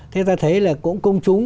thế ta thấy là cũng công chúng